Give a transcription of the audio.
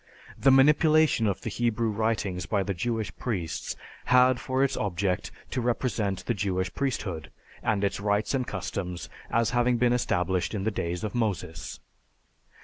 The manipulation of the Hebrew writings by the Jewish priests had for its object to represent the Jewish priesthood, and its rights and customs, as having been established in the days of Moses.